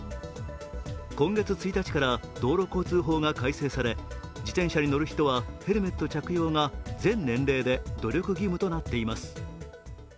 今月１日から道路交通法が改正され、自転車に乗る人はヘルメット着用が全年齢で努力義務となっています。